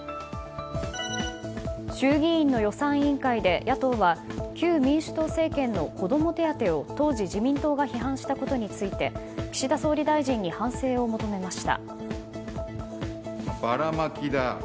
衆議院の予算委員会で、野党は旧民主党政権の子ども手当を当時、自民党が批判したことについて岸田総理大臣に反省を求めました。